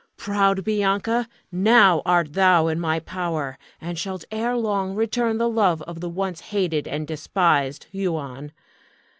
Proud Bianca, now art thou in my power, and shalt ere long return the love of the once hated and despised Huon.